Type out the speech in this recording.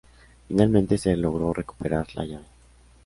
Finalmente se logró recuperar la llave.